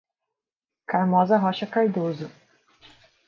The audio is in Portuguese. Carmoza Rocha Cardozo